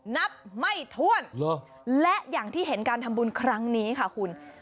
นับไม่ถ้วนและอย่างที่เห็นการทำบุญครั้งนี้ค่ะคุณ